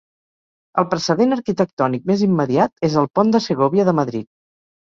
El precedent arquitectònic més immediat és el pont de Segòvia de Madrid.